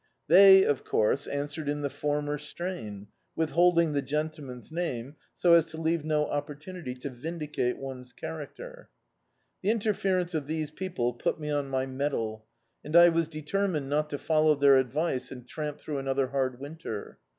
They, of course, answered in the former strain, withhold ing the gentleman's name, so as to leave no oppor tunity to vindicate one's diaracter. The interference of diese people put me on my D,i.,.db, Google The Autobiography of a Super Tramp mettle, and I was detennined not to follow thar advice and tramp throu^ another hard winter.